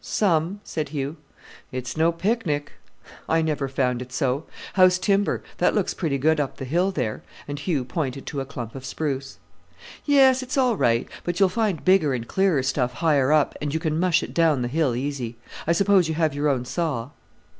"Some," said Hugh. "It's no picnic." "I never found it so. How's timber? That looks pretty good up the hill there," and Hugh pointed to a clump of spruce. "Yes, it's all right; but you'll find bigger and clearer stuff higher up, and you can mush it down the hill easy. I suppose you have your own saw?"